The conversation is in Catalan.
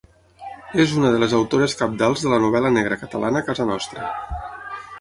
És una de les autores cabdals de la novel·la negra catalana a casa nostra.